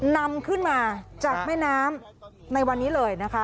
นำขึ้นมาจากแม่น้ำในวันนี้เลยนะคะ